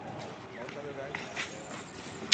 Most other guys never show up.